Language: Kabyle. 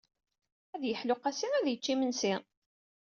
Ad yeḥlu Qasi, ad yečč imensi.